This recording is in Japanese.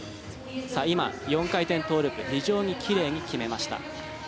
今、４回転トウループ非常に奇麗に決めました。